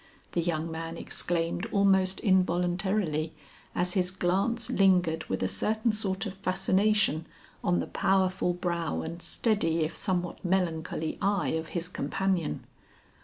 the young man exclaimed almost involuntarily as his glance lingered with a certain sort of fascination on the powerful brow and steady if somewhat melancholy eye of his companion.